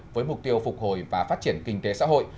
với mục tiêu phục hồi và phát triển kinh tế xã hội